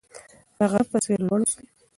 د غره په څیر لوړ اوسئ.